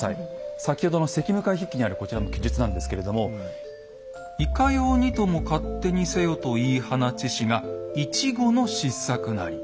先ほどの「昔夢会筆記」にあるこちらの記述なんですけれども「『いかようにとも勝手にせよ』と言い放ちしが一期の失策なり」。